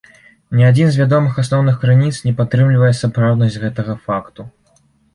Ні адзін з вядомых асноўных крыніц не падтрымлівае сапраўднасць гэтага факту.